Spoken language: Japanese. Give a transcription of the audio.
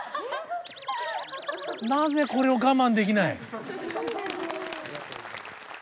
なぜこれを我慢できない。